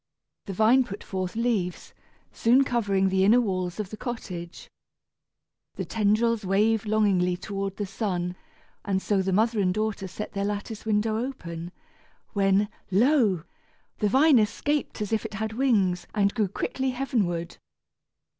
The vine put forth leaves, soon covering the inner walls of the cottage. The tendrils waved longingly toward the sun, and so the mother and daughter set their lattice window open, when, lo! the vine escaped as if it had wings and grew quickly heavenward.